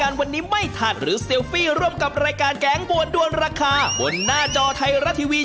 เอานะเตรียมตัวของผู้ชมผมบอกเลยเย็นแบบนี้